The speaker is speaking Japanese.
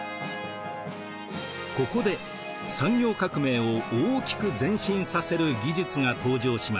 ここで産業革命を大きく前進させる技術が登場します。